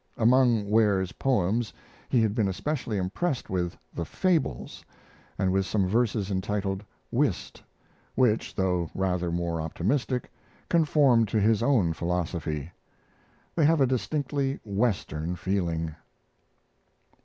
Among Ware's poems he had been especially impressed with the "Fables," and with some verses entitled "Whist," which, though rather more optimistic, conformed to his own philosophy. They have a distinctly "Western" feeling.